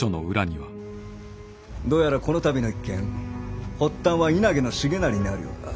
どうやらこの度の一件発端は稲毛重成にあるようだ。